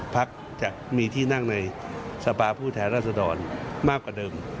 พักจะมีที่นั่งในสภาพผู้แทนรัศดรมากกว่าเดิม